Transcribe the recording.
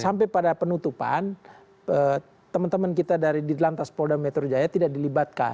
sampai pada penutupan teman teman kita dari di lantas polda metro jaya tidak dilibatkan